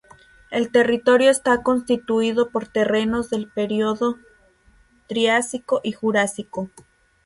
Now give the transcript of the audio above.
El territorio está constituido por terrenos del período triásico y jurásico.